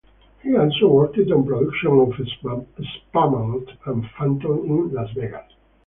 He also worked on productions of Spamalot and Phantom in Las Vegas.